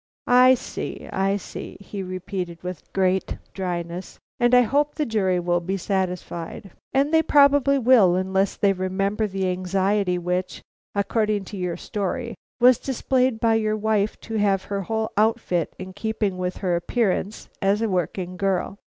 "I see, I see," he repeated with great dryness, "and I hope the jury will be satisfied. And they probably will, unless they remember the anxiety which, according to your story, was displayed by your wife to have her whole outfit in keeping with her appearance as a working girl.